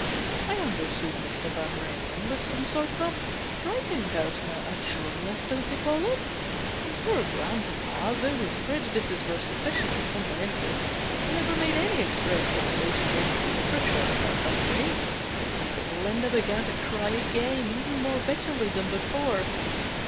I understood Mr. Vanrenen was some sort of a writing person a journalist, don't they call it ? And poor grandpapa, though his prejudices were sufficiently comprehensive, 20 326 GENERAL PASSAVANT^S WILL. never made any express stipulation against the literature of our country." But Linda began to cry again, even more bitterly than before.